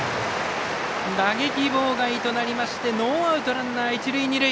打撃妨害となりましてノーアウト、ランナー、一塁二塁。